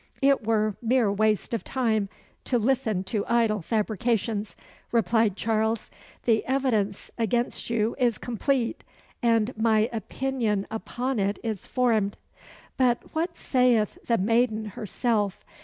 "It were mere waste of time to listen to idle fabrications," replied Charles. "The evidence against you is complete, and my opinion upon it is formed. But what saith the maiden herself?